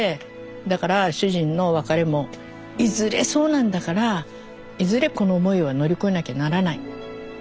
だから主人の別れもいずれそうなんだからいずれこの思いは乗り越えなきゃならない。ね？